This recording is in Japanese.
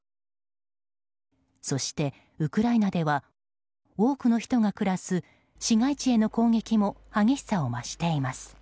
そして、ウクライナでは多くの人が暮らす市街地への攻撃も激しさを増しています。